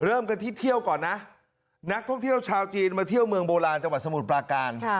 เริ่มกันที่เที่ยวก่อนนะนักท่องเที่ยวชาวจีนมาเที่ยวเมืองโบราณจังหวัดสมุทรปราการ